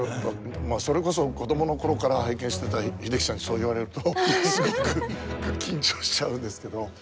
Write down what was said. まあそれこそ子供の頃から拝見してた英樹さんにそう言われるとすごく緊張しちゃうんですけど。